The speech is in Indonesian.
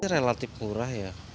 relatif murah ya